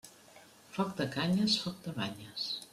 Foc de canyes, foc de banyes.